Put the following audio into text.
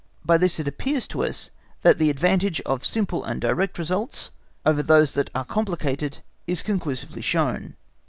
By this it appears to us that the advantage of simple and direct results over those that are complicated is conclusively shown.